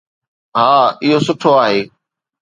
ها، اهو سٺو آهي